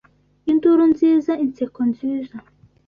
Induru nziza inseko nziza